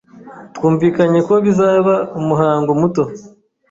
Twumvikanye ko bizaba umuhango muto.